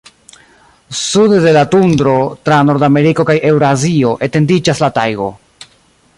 Sude de la tundro, tra Nordameriko kaj Eŭrazio, etendiĝas la tajgo.